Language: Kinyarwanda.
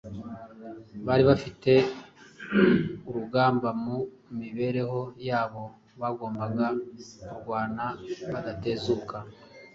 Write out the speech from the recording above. bari bafite urugamba mu mibereho yabo bagombaga kurwana badatezuka.